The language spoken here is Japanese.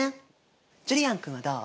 ジュリアン君はどう？